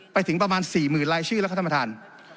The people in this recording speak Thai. ไปถึงประมาณ๔๐๐๐ลายชื่อแล้วครับท่านประธาน